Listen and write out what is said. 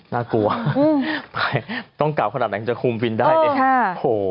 น่ากลัวต้องกลับขนาดนั้นจะคุมวินได้เนี่ย